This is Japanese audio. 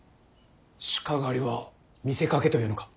鹿狩りは見せかけというのか。